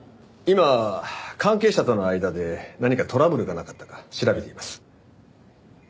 今関係者との間で何かトラブルがなかったか調べています。